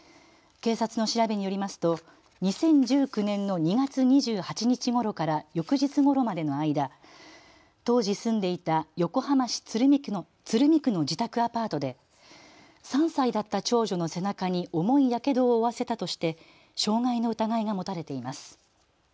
警察の調べによりますと２０１９年の２月２８日ごろから翌日ごろまでの間、当時住んでいた横浜市鶴見区の自宅アパートで３歳だった長女の背中に重いやけどを負わせたとして傷害の疑いが持たれています。